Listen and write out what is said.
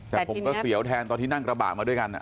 แต่ผมก็เสียวแทนตอนที่นั่งกระบะมาด้วยกัน